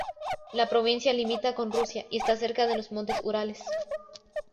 La provincia limita con Rusia y está cerca de los montes Urales.